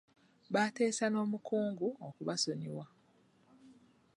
Baateesa n'omukungu okubasonyiwa.